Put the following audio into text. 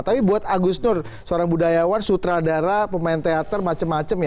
tapi buat agus nur seorang budayawan sutradara pemain teater macam macam ya